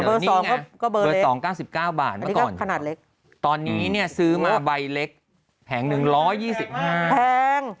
เบอร์๒ก็เบอร์เล็กอันนี้ก็ขนาดเล็กต้อนนี้นี่สือมาใบเล็กแผงแรง๑๒๕แห่ง